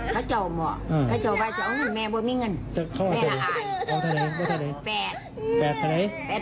เขาเจาหมอเขาเจาว่าเจาหนึ่งไม่มีเงินแมนอาย